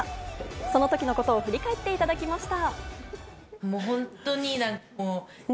その時のことを振り返っていただきました。